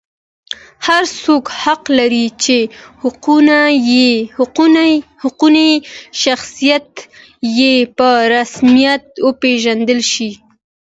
هر څوک حق لري چې حقوقي شخصیت یې په رسمیت وپېژندل شي.